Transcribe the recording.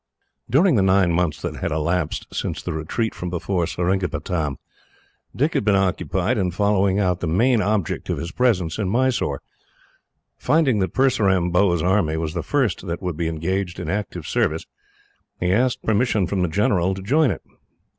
During the nine months that had elapsed since the retreat from before Seringapatam, Dick had been occupied in following out the main object of his presence in Mysore. Finding that Purseram Bhow's army was the first that would be engaged in active service, he asked permission from the general to join it.